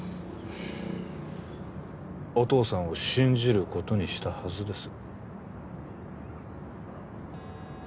お父さんを信じることにしたはずです